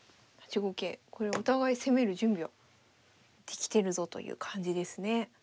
五桂これお互い攻める準備はできてるぞという感じですね。